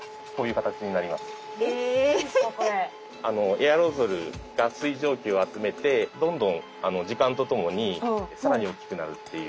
エアロゾルが水蒸気を集めてどんどん時間とともに更に大きくなるっていう。